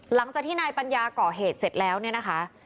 หลังจากที่นายปัญญาก่อเหตุเสร็จแล้วเนี่ยนะคะ